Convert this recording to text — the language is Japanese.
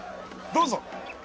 どうぞ！